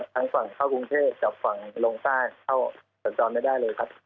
ทั้งฝั่งเข้ากรุงเทพกับฝั่งลงใต้เข้าสัญจรไม่ได้เลยครับ